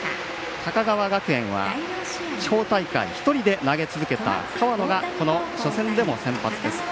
高川学園は地方大会、１人で投げ続けた河野が初戦でも先発です。